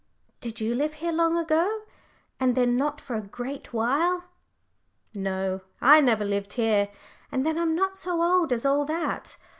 "Did you live here long ago, and then not for a great while?" "No, I never lived here, and then I'm not so old as all that.